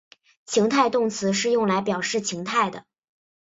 情态动词是用来表示情态的。